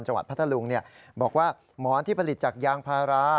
จังหวัดพัทธารุงบอกว่าหมอนที่ผลิตจากยางพารา